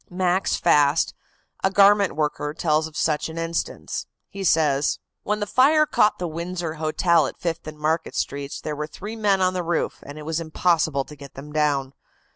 Max Fast, a garment worker, tells of such an instance. He says: "When the fire caught the Windsor Hotel at Fifth and Market Streets there were three men on the roof, and it was impossible to get them down.